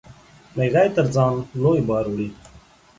مېږى تر ځان لوى بار وړي.